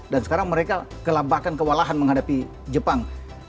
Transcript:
dan sekarang mereka kelabakan kewalahan menghadapi jepang